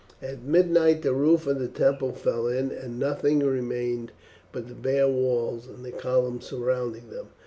At midnight the roof of the temple fell in, and nothing remained but the bare walls and the columns surrounding them.